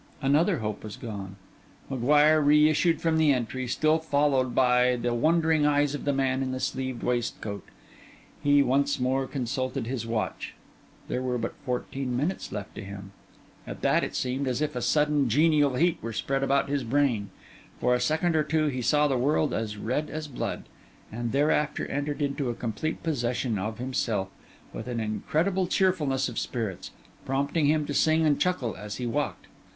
Another hope was gone. M'Guire reissued from the entry, still followed by the wondering eyes of the man in the sleeved waistcoat. He once more consulted his watch: there were but fourteen minutes left to him. At that, it seemed as if a sudden, genial heat were spread about his brain; for a second or two, he saw the world as red as blood; and thereafter entered into a complete possession of himself, with an incredible cheerfulness of spirits, prompting him to sing and chuckle as he walked.